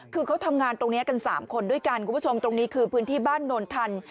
คือเขาทำงานตรงนี้กัน๓คนด้วยกันคุณผู้ชมตรงนี้คือพื้นที่บ้านโนนทัน